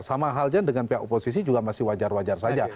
sama halnya dengan pihak oposisi juga masih wajar wajar saja